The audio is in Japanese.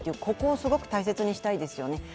ここをすごく大切にしたいですよね。